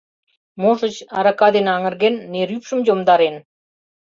Можыч, арака дене аҥырген, нерӱпшым йомдарен...